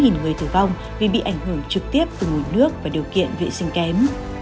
trung bình mỗi năm cả nước có khoảng chín người tử vong vì bị ảnh hưởng trực tiếp từ nguồn nước và điều kiện vệ sinh kém